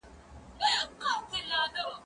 ايا ته سندري اورې،